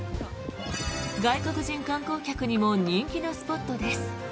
外国人観光客にも人気のスポットです。